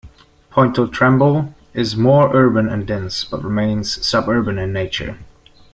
Pointe-aux-trembles is more urban and dense but remains suburban in nature.